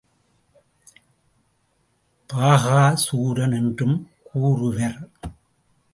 பகாசூரன் என்றும் கூறுவர்.